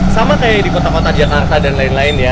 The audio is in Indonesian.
sama kayak di kota kota jakarta dan lain lain ya